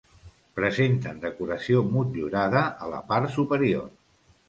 Presenten decoració motllurada a la part superior.